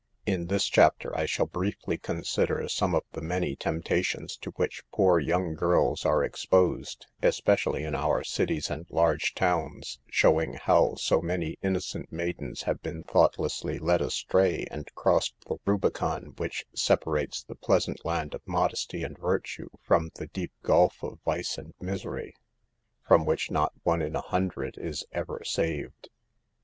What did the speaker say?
In this chapter I shall briefly con sider some of the many temptations to which poor young girls are exposed, especially in our cities and large towns ; showing how so many innocent maidens have been thoughtlessly led astray and crossed the Rubicon which separates the pleasant land of modesty and virtue from 134 SAVE THE GIRLS. the deep gulf of vice and misery, from which not one in a hundred is ever saved.